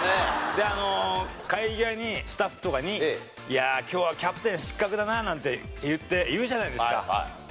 で帰り際にスタッフとかに「いやあ今日はキャプテン失格だな」なんて言うじゃないですか。